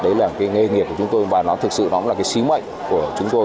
đấy là cái nghề nghiệp của chúng tôi và nó thực sự nó cũng là cái sứ mệnh của chúng tôi